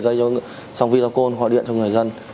gây cho xong video call gọi điện cho người dân